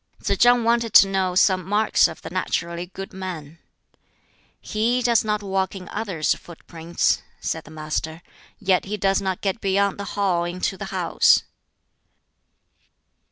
Tsz chang wanted to know some marks of the naturally Good Man. "He does not walk in others' footprints," said the Master; "yet he does not get beyond the hall into the house."